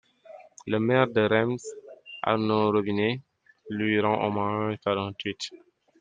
Le maire de Reims, Arnaud Robinet, lui rend hommage par un tweet.